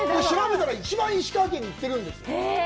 調べたら、一番石川県に行ってるんです。